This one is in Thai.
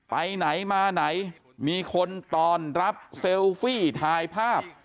ไปไหนมาไหนมีคนตอนรับเซลฟี่ถ่ายภาพ